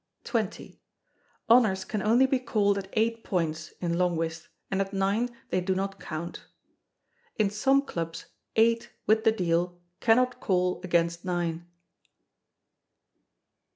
] xx. Honours can only be called at eight points (in Long Whist), and at nine they do not count. [In some Clubs, eight, with the deal, cannot call against nine.